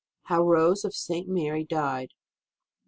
HOW ROSE OF ST. MARY DIED.